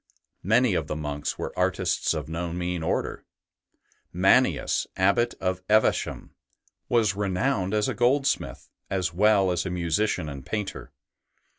Many of the monks were artists of no mean order. Mannius, Abbot of Evesham, was renowned as a goldsmith, as well as a musician and painter.